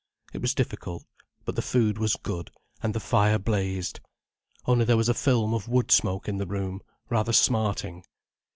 It was difficult—but the food was good, and the fire blazed. Only there was a film of wood smoke in the room, rather smarting.